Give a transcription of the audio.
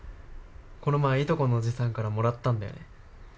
この前、いとこのおじさんからもらったんだよね。